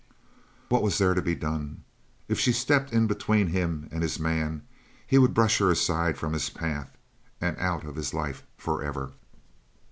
What was there to be done? If she stepped in between him and his man, he would brush her aside from his path and out of his life forever.